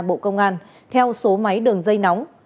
bộ công an theo số máy đường dây nóng